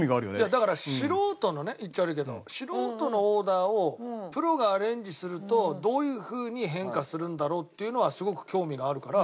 だから素人のね言っちゃ悪いけど素人のオーダーをプロがアレンジするとどういうふうに変化するんだろうっていうのがすごく興味があるから。